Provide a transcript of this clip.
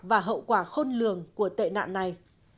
và hậu quả khôn lường của tệ nạn này